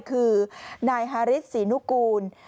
คือนายฮาริสศรีนุกูล